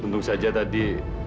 untung saja tadi